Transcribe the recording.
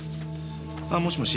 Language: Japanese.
あっもしもし？